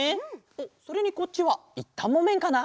おっそれにこっちはいったんもめんかな？